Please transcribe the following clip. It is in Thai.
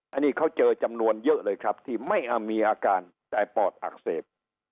อันนี้เขาเจอจำนวนเยอะเลยครับที่ไม่มีอาการแต่ปอดอักเสบ